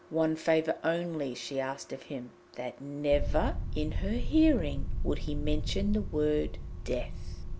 One favour only she asked of him that never in her hearing would he mention the word 'Death.'